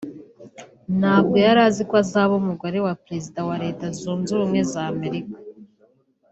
ntabwo yari aziko azaba umugore wa Perezida wa Leta zunze ubumwe z’ Amerika